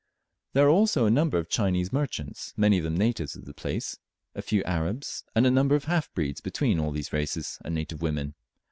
There are also a number of Chinese merchants, many of them natives of the place, a few Arabs, and a number of half breeds between all these races and native women.